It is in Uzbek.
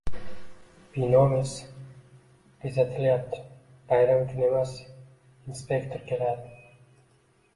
Binomiz bezatilyapti, bayram uchun emas, inspektor keladi